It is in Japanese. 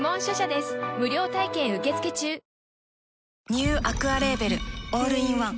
ニューアクアレーベルオールインワン